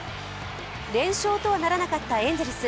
連勝とはならなかったエンゼルス。